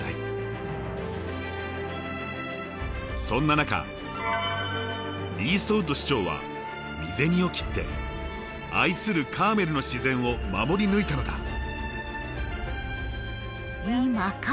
そんな中イーストウッド市長は身銭を切って愛するカーメルの自然を守り抜いたのだ。